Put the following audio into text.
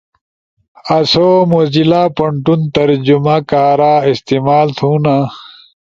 آسو موزیلا پونٹون ترجمہ کارا استعمال تھونا۔